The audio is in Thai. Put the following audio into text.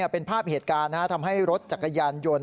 เป็นภาพเหตุการณ์ทำให้รถจักรยานยนต์